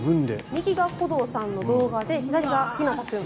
右が鼓童さんの動画で左がひなた君。